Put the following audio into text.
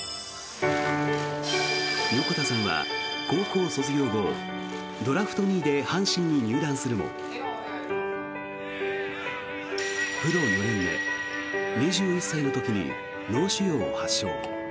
横田さんは高校卒業後ドラフト２位で阪神に入団するもプロ４年目、２１歳の時に脳腫瘍を発症。